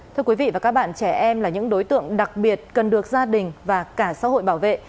thưa quý vị và các bạn trẻ em là những đối tượng đặc biệt cần được gia đình và cả xã hội bảo vệ